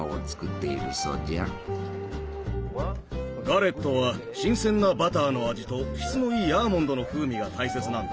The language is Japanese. ガレットは新鮮なバターの味と質のいいアーモンドの風味が大切なんだ。